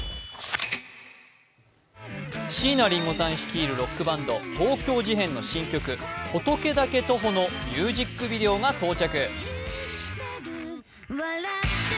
椎名林檎さん率いるロックバンド、東京事変の新曲「仏だけ徒歩」のミュージックビデオが到着。